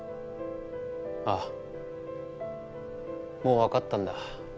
ああもう分かったんだ。